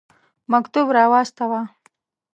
مکتوب را واستاوه.